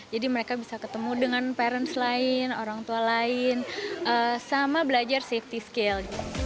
jadi mereka bisa ketemu dengan parents lain orang tua lain sama belajar safety skill